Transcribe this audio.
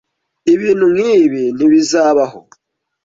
Ibintu nkibi ntibizabaho.